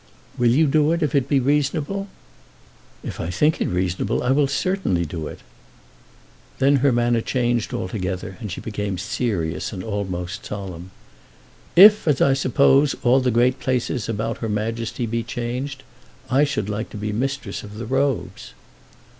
"Will you do it, if it be reasonable?" "If I think it reasonable, I certainly will do it." Then her manner changed altogether, and she became serious and almost solemn. "If, as I suppose, all the great places about her Majesty be changed, I should like to be Mistress of the Robes."